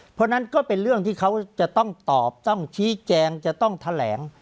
เพราะฉะนั้นก็เป็นเรื่องที่เขาจะต้องตอบต้องชี้แจงจะต้องแถลง